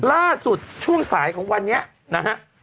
ล่าสุดช่วงสายของวันนี้นะฮะ